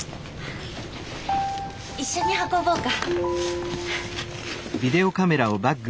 一緒に運ぼうか。